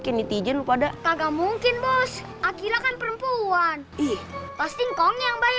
ke nitrogen pada kagak mungkin bos akhil akan perempuan